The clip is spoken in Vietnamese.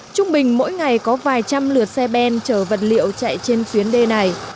trung bình mỗi ngày có vài trăm lượt xe ben chở vật liệu chạy trên tuyến đê này